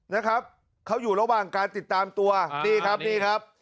นะครับเขาอยู่ระหว่างการติดตามตัวนี่ครับนี่ครับ